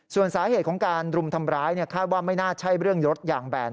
ส่วนสาเหตุของการรุมทำร้ายคาดว่าไม่น่าใช่เรื่องยดยางแบน